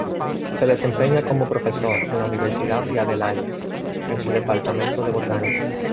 Se desempeña como profesor en la Universidad de Adelaida, en su "Departamento de Botánica".